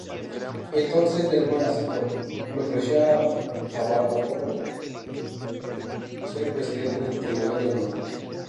Entonces Delmar aceptó, le ofreció a Favaloro ser el presidente del Tribunal de Honor.